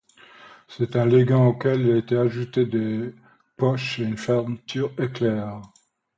C’est un legging auquel il a été ajouté des poches et une fermeture éclair.